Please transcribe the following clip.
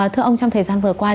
thưa ông trong thời gian vừa qua